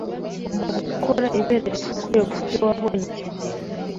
Ugomba gukora ibere risukuye kubyo wabonye icyo gihe.